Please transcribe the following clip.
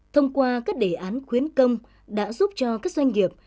thông qua các đề án khuyến công đã giúp cho các doanh nghiệp